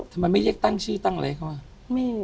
ทำไมไม่เรียกตั้งชื่อตั้งอะไรเขาอ่ะ